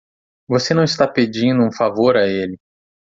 Você não está pedindo um favor a ele.